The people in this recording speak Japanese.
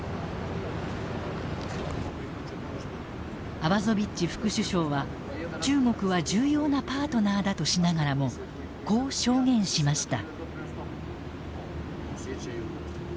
アバゾビッチ副首相は中国は重要なパートナーだとしながらもこう証言しました。